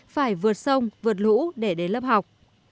phải vượt sông vượt lũ để đến lớp học